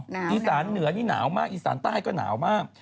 อีสานเหนือนี่หนาวมากอีสานใต้ก็หนาวมาก